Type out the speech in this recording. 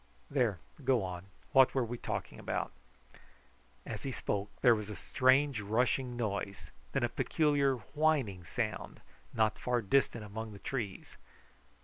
"There, go on what were we talking about?" As he spoke there was a strange rushing noise, then a peculiar whining sound not far distant among the trees.